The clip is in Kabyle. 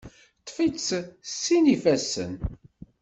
Ṭṭef-itt s sin ifassen.